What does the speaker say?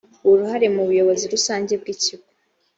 uruhare mu buyobozi rusange bw ikigo